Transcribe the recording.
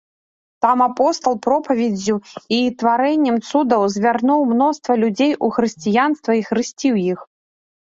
Там апостал пропаведдзю і тварэннем цудаў звярнуў мноства людзей у хрысціянства і хрысціў іх.